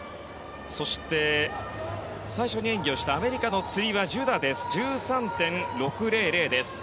そして、最初に演技をしたアメリカのつり輪、ジュダ１３．６００です。